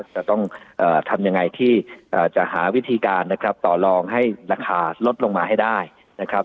จะต้องทำยังไงที่จะหาวิธีการนะครับต่อลองให้ราคาลดลงมาให้ได้นะครับ